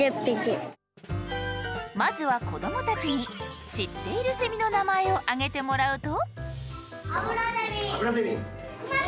まずは子どもたちに知っているセミの名前を挙げてもらうと。